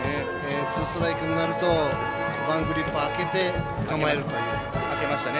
ツーストライクになるとワングリップあけて構えるという。